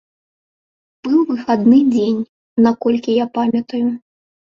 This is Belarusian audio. Быў выхадны дзень, наколькі я памятаю.